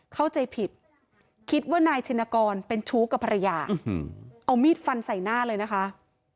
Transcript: เข้าใจผิดคิดว่านายชินกรเป็นชู้กับภรรยาเอามีดฟันใส่หน้าเลยนะคะ